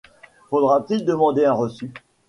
Faudra-t-il demander un reçu ?